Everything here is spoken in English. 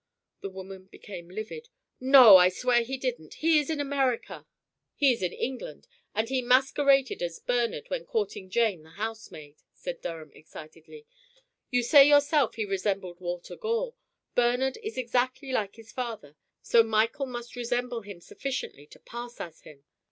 The woman became livid. "No, I swear he didn't. He is in America." "He is in England, and he masqueraded as Bernard when courting Jane the housemaid," said Durham, excitedly. "You say yourself he resembled Walter Gore. Bernard is exactly like his father, so Michael must resemble him sufficiently to pass as him."